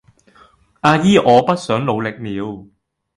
阿姨我不想努力了